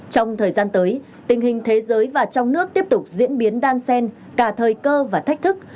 trong thời gian tới tình hình thế giới và trong nước tiếp tục diễn biến đan sen cả thời cơ và thách thức